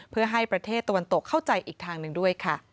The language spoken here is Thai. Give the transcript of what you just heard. เพื่อให้ประเทศตะวันตกเข้าใจอีกทางหนึ่งด้วยค่ะ